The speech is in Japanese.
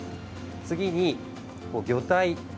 次に、魚体。